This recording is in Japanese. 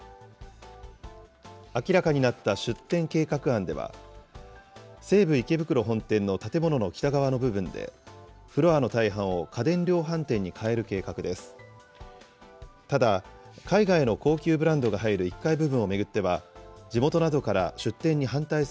明らかになった出店計画案では、西武池袋本店の建物の北側の部分で、フロアの大半を家電量販店に変える計画です。